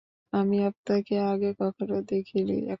আমি আপনাকে আগে কখনো দেখিনি এখানে।